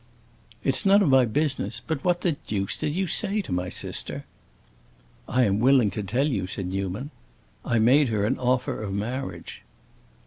"It's none of my business, but what the deuce did you say to my sister?" "I am willing to tell you," said Newman, "that I made her an offer of marriage."